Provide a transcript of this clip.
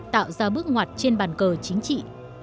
tạo ra bước ngoặt trên bàn cờ chính trị